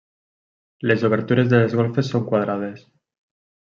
Les obertures de les golfes són quadrades.